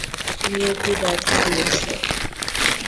নিয়তি ব্যথা দিয়েছে।